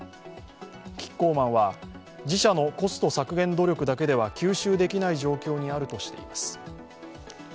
キッコーマンは、自社のコスト削減努力だけでは吸収できない状況にあるとしています。